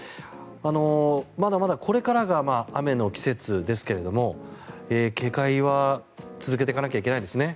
まだまだこれからが雨の季節ですけども警戒は続けていかなきゃいけないですね。